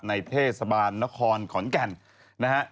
เทศบาลนครขอนแก่นนะฮะ